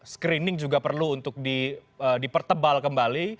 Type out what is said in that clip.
screening juga perlu untuk dipertebal kembali